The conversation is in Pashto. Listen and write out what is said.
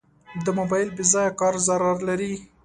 د موبایل بېځایه کار ضرر لري.